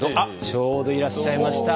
ちょうどいらっしゃいました！